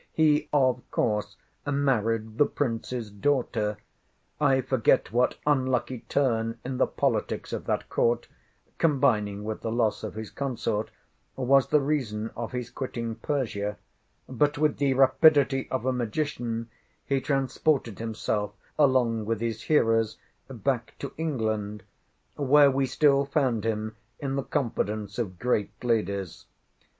He, of course, married the Prince's daughter. I forget what unlucky turn in the politics of that court, combining with the loss of his consort, was the reason of his quitting Persia; but with the rapidity of a magician he transported himself, along with his hearers, back to England, where we still found him in the confidence of great ladies.